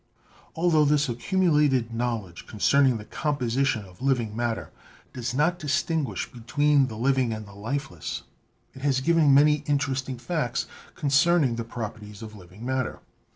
Altho this accumulated knowledge concerning the com position of living matter does not distinguish between the living and the lifeless, it has given many interesting facts concerning the properties of living matter.